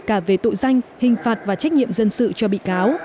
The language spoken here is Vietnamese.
cả về tội danh hình phạt và trách nhiệm dân sự cho bị cáo